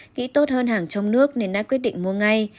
nghĩ tốt hơn hàng trong nước nên đã quyết định mua ngay